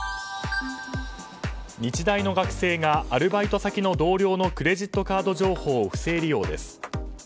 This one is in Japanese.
日大の学生がアルバイト先の同僚のクレジットカード情報を不正利用です。